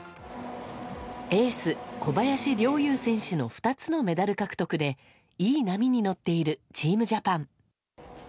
エース、小林陵侑選手の２つのメダル獲得でいい波に乗っているチームジャパン。